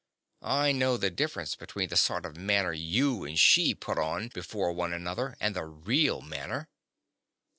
I know the difference between the sort of manner you and she put on before one another and the real manner.